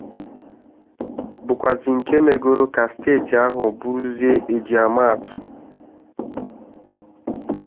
bụkwazị nke megoro ka steeti ahụ bụrụzie ejiamaatụ.